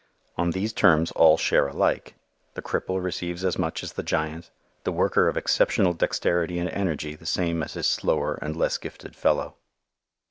On these terms all share alike; the cripple receives as much as the giant; the worker of exceptional dexterity and energy the same as his slower and less gifted fellow.